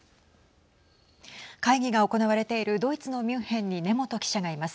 会議が行われているドイツのミュンヘンに根本記者がいます。